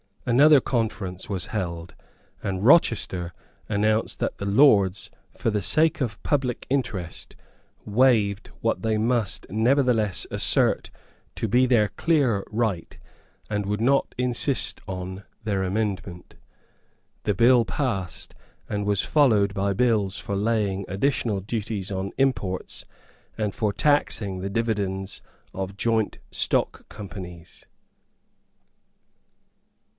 Another conference was held; and Rochester announced that the Lords, for the sake of the public interest, waived what they must nevertheless assert to be their clear right, and would not insist on their amendment. The bill passed, and was followed by bills for laying additional duties on imports, and for taxing the dividends of joint stock companies.